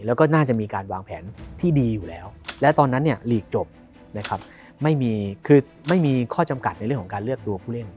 แล้วก็น่าจะมีการวางแผนที่ดีอยู่แล้วและตอนนั้นเนี่ยลีกจบนะครับไม่มีคือไม่มีข้อจำกัดในเรื่องของการเลือกตัวผู้เล่น